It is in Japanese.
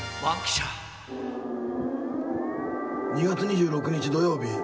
２月２６日土曜日。